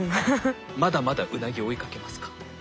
まだまだウナギ追いかけますか？